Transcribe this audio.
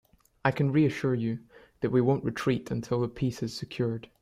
I can reassure you, that we won't retreat until the peace is secured.